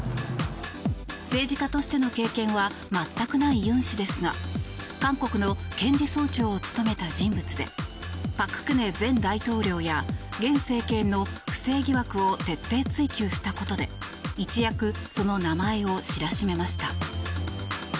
政治家としての経験は全くないユン氏ですが韓国の検事総長を務めた人物で朴槿惠前大統領や現政権の不正疑惑を徹底追及したことで一躍その名前を知らしめました。